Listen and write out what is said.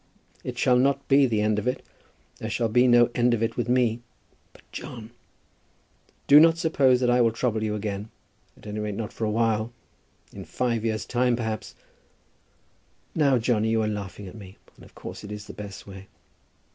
"It shall not be the end of it. There shall be no end of it with me." "But, John " "Do not suppose that I will trouble you again, at any rate not for a while. In five years time perhaps, " "Now, Johnny, you are laughing at me. And of course it is the best way.